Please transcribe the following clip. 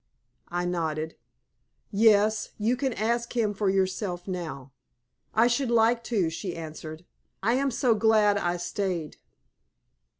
I nodded. "Yes. You can ask him for yourself now." "I should like to," she answered. "I am so glad I stayed."